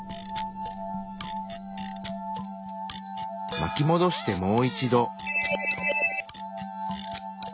巻きもどしてもう一度。